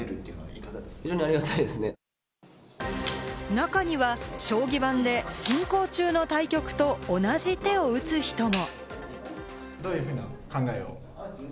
中には将棋盤で進行中の対局と同じ手を打つ人も。